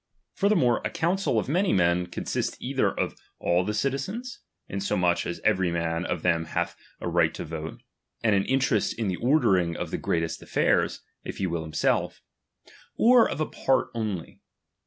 Furthermore, a council of many men consists either of all the citizens, insomuch as every man of them hath a right to vote, and an interest in the ordering of the greatest affairs, if he will himself ; or of a part only.